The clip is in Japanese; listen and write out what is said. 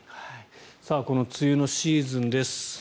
この梅雨のシーズンです。